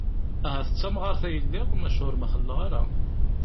Ahat d tamɣart i lliɣ, maca ur mxelleɣ ara.